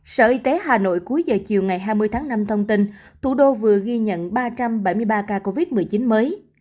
sở y tế hà nội cuối giờ chiều ngày hai mươi tháng năm thông tin thủ đô vừa ghi nhận ba trăm bảy mươi ba ca covid một mươi chín mới